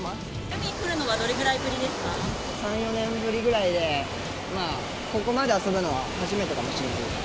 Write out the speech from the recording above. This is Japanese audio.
海来るのはどれぐらいぶりで３、４年ぶりぐらいで、まあ、ここまで遊んだのは初めてかもしれないです。